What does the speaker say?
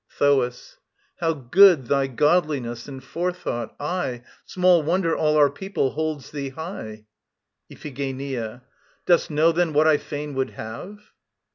THOAS. How good thy godliness and forethought! Aye, Small wonder all our people holds thee high. IPHIGENIA. Dost know then what I fain would have?